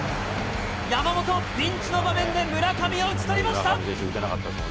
山本、ピンチの場面で村上を打ち取りました。